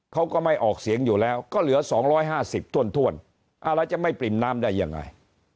เขาก็ไม่ออกเสียงอยู่แล้วก็เหลือ๒๕๐ถ้วนอะไรจะไม่ปริ่มน้ำได้ยังไง